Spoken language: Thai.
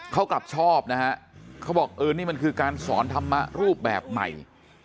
เขากลับชอบนะฮะเขาบอกเออนี่มันคือการสอนธรรมะรูปแบบใหม่